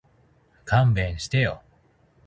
勘弁してよ